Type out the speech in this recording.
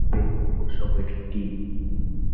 被幕府收回领地。